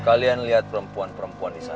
kalian liat perempuan perempuan disana